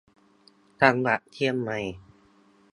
จังหวัดเชียงใหม่